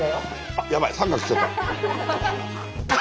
あっやばい三角来ちゃった。